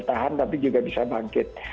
tahan tapi juga bisa bangkit